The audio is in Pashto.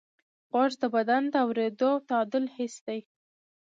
غوږ د بدن د اورېدو او تعادل حس دی.